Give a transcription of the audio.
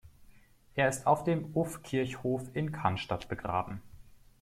Er ist auf dem Uff-Kirchhof in Cannstatt begraben.